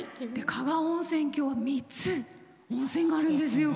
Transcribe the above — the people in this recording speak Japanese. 加賀温泉郷３つ、温泉があるんですよ。